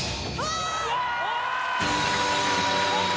お！